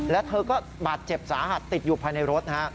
แล้วเธอก็บาดเจ็บสาหัสติดอยู่ภายในรถนะฮะ